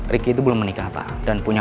ricky itu belum menikah pak dan punya